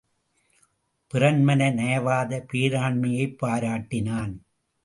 பிறன்மனை நயவாத பேராண்மையைப் பாராட்டினான்.